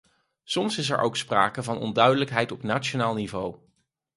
Soms is er ook sprake van onduidelijkheid op nationaal niveau.